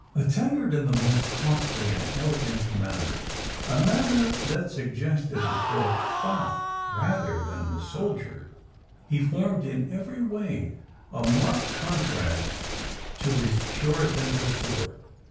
"Attired in the most costly and elegant manner, a manner that suggested the court fop rather than the soldier, he formed in every way a marked contrast to his puritan pursuer.